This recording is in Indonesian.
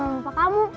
bisa mau mumpah kamu